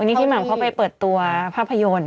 วันนี้พี่หม่ำเขาไปเปิดตัวภาพยนตร์